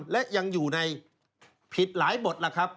และยังอยู่ในผิดหลายบทล่ะครับ